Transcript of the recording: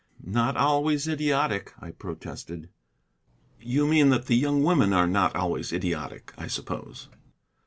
"Not always idiotic," I protested. "You mean that the young women are not always idiotic, I suppose.